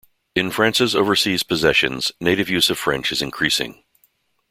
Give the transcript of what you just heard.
In France's overseas possessions, native use of French is increasing.